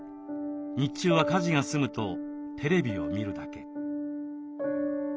日中は家事が済むとテレビを見るだけ。